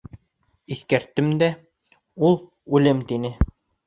Иҫкәрттем дә: ул — үлем, тинем.